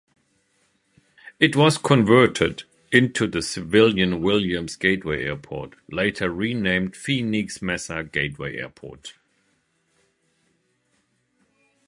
It was converted into the civilian Williams Gateway Airport, later renamed Phoenix-Mesa Gateway Airport.